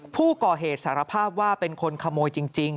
ผู้ก่อเหตุสารภาพว่าเป็นคนขโมยจริง